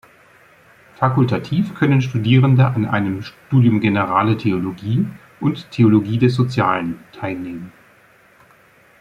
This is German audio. Fakultativ können Studierende an einem "Studium Generale Theologie" und "Theologie des Sozialen" teilnehmen.